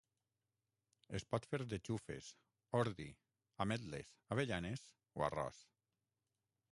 Es pot fer de xufes, ordi, ametles, avellanes o arròs.